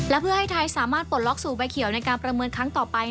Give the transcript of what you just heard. และเพื่อให้ไทยสามารถปลดล็อกสู่ใบเขียวในการประเมินครั้งต่อไป